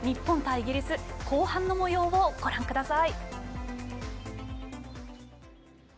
イギリス後半のもようをご覧ください。